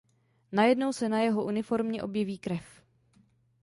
Najednou se na jeho uniformě objeví krev.